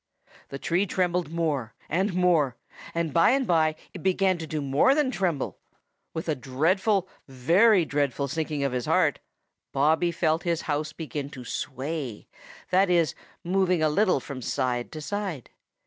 The tree trembled more and more, and by and by it began to do more than tremble; with a dreadful, a very dreadful sinking of his heart, Bobby felt his house begin to sway, that is, move a little from side to side.